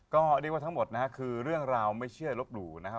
ก็เรียกว่าทั้งหมดนะฮะคือเรื่องราวไม่เชื่อลบหลู่นะครับ